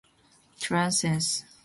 Torreense.